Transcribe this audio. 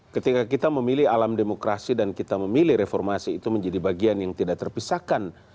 ketika kita memilih alam demokrasi dan kita memilih reformasi itu menjadi bagian yang tidak terpisahkan